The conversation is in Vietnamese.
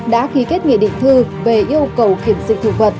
đã ký kết nghị định thư về yêu cầu kiểm dịch thực vật